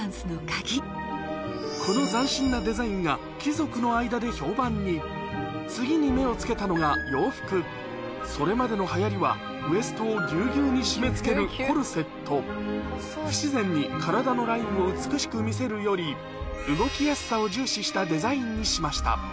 この次に目を付けたのがそれまでの流行りはウエストをぎゅうぎゅうに締め付ける不自然に体のラインを美しく見せるより動きやすさを重視したデザインにしました